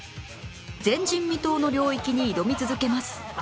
前人未到の領域に挑み続けます